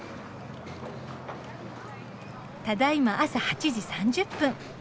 ただいま朝８時３０分。